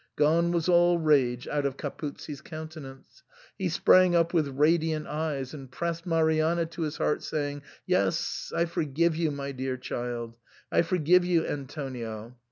Grone was all rage out of Capuzzi *s countenance ; he sprang up with radiant eyes, and pressed Marianna to his heart, saying, " Yes, I forgive you, my dear child ; I forgive you, Antonio.